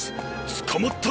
捕まった！？